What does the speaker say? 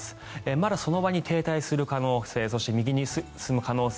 まだその場に停滞する可能性そして右に進む可能性